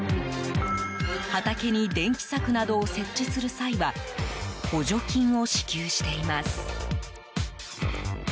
畑に電気柵などを設置する際は補助金を支給しています。